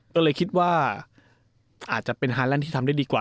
ก็เลยคิดว่าอาจจะเป็นฮาแลนด์ที่ทำได้ดีกว่า